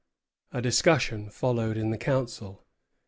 A discussion followed in the Council.